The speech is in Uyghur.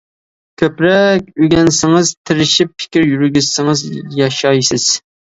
كۆپرەك ئۆگەنسىڭىز، تىرىشىپ پىكىر يۈرگۈزسىڭىز ياشايسىز.